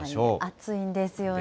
暑いんですよね。